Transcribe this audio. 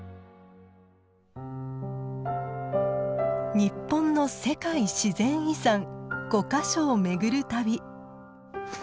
日本の世界自然遺産５か所を巡る旅。